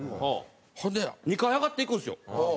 ほんで２階上がっていくんですよ。